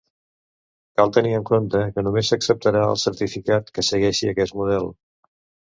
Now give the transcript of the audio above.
Cal tenir en compte que només s'acceptarà el certificat que segueixi aquest model.